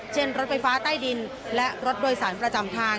รถไฟฟ้าใต้ดินและรถโดยสารประจำทาง